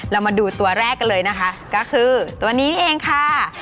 เรามาดูตัวแรกกันเลยนะคะก็คือตัวนี้เองค่ะ